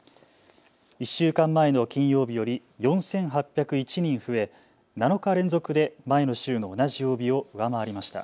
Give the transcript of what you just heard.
１週間前の金曜日より４８０１人増え７日連続で前の週の同じ曜日を上回りました。